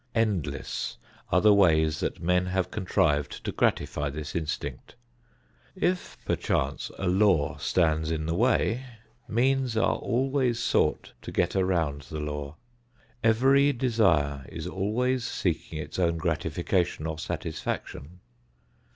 Endless are the ways that men have contrived to gratify this instinct. If, perchance, a law stands in the way, means are always sought to get around the law. Every desire is always seeking its own gratification or satisfaction.